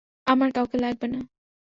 আমার কাউকে লাগবে না।